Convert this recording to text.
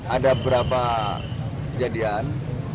ada beberapa kejadian